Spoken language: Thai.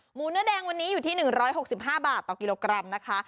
หมูเนื้อแดงวันนี้อยู่ที่๑๖๕บาทต่อกิโลกรัมนะคะ